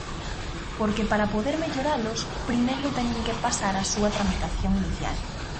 Porque, para poder melloralos, primeiro teñen que pasar a súa tramitación inicial.